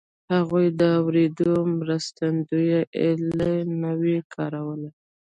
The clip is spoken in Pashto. هغوی د اورېدو مرستندويي الې نه وې کارولې